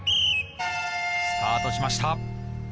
スタートしました！